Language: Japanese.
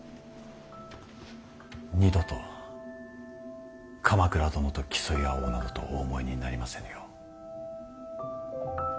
二度と鎌倉殿と競い合おうなどとお思いになりませぬよう。